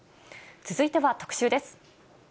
続いては特集です。